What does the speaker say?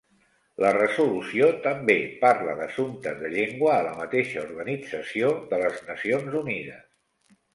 La resolució també parla d'assumptes de llengua a la mateixa Organització de les Nacions Unides.